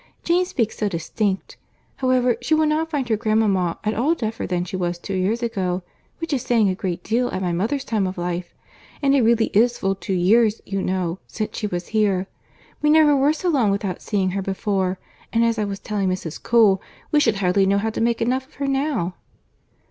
Jane speaks so distinct! However, she will not find her grandmama at all deafer than she was two years ago; which is saying a great deal at my mother's time of life—and it really is full two years, you know, since she was here. We never were so long without seeing her before, and as I was telling Mrs. Cole, we shall hardly know how to make enough of her now."